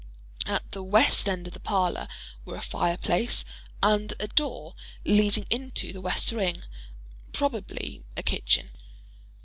At the west end of the parlor, were a fireplace, and a door leading into the west wing—probably a kitchen.